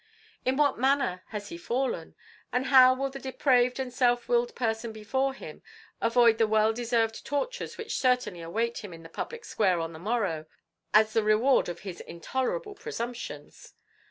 "In what manner has he fallen? And how will the depraved and self willed person before him avoid the well deserved tortures which certainly await him in the public square on the morrow, as the reward of his intolerable presumptions?"